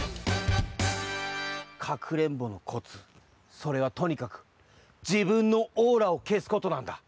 かくれんぼのコツそれはとにかくじぶんのオーラをけすことなんだ。